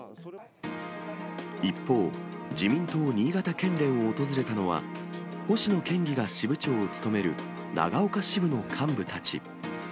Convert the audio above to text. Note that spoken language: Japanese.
一方、自民党新潟県連を訪れたのは、星野県議が支部長を務める長岡支部の幹部たち。